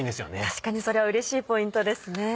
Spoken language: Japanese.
確かにそれはうれしいポイントですね。